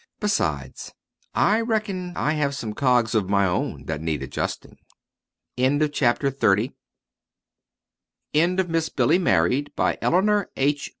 "Besides, I reckon I have some cogs of my own that need adjusting!" End of the Project Gutenberg EBook of Miss Billy Married, by Eleanor H.